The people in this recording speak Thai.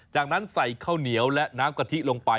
จากนั้นใส่ข้าวเหนียวและน้ำกะทิลงไป